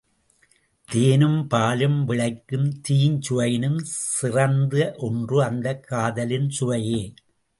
தேனும் பாலும் விளைக்கும் தீஞ்சுவையினும் சிறந்த ஒன்று அந்தக் காதலின் சுவையே.